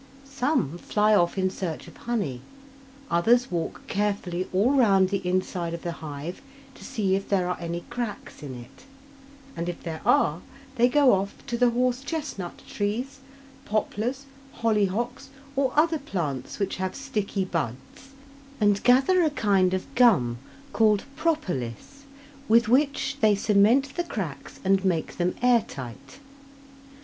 Some fly off in search of honey. Others walk carefully all round the inside of the hive to see if there are any cracks in it; and if there are, they go off to the horse chestnut trees, poplars, hollyhocks, or other plants which have sticky buds, and gather a kind of gum called "propolis," with which they cement the cracks and make them air tight.